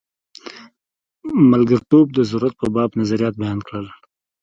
ملګرتوب د ضرورت په باب نظریات بیان کړل.